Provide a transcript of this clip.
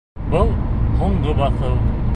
— Был — һуңғы баҫыу.